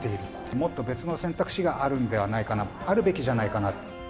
もっと別の選択肢があるのではないかな、あるべきじゃないかな。